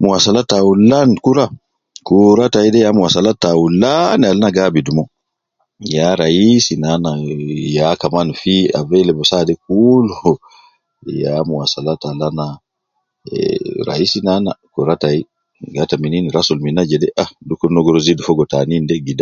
Muwasalat taulan kura, kuura tai de ya muwasalat tauulan al na gi abidu mo, ya raiisi nana, eh ya kaman fi available saa de kulu, ya muwasalat al ana eh, raisi nana kura tai, gata min in, rasul min na jede ah, dukur ne gi rua zidu fogo tanin de gid